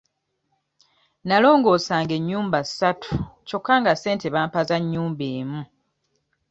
Nalongoosanga ennyumba ssatu kyokka nga ssente bampa za nnyumba emu.